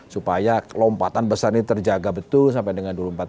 supaya lompatan besar ini terjaga betul sampai dengan dua ribu empat puluh lima